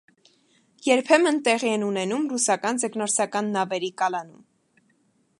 Երբեմն տեղի էին ունենում ռուսական ձկնորսական նավերի կալանում։